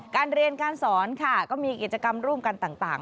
การเรียนการสอนค่ะก็มีกิจกรรมร่วมกันต่าง